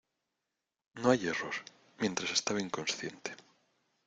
no hay error. mientras estaba inconsciente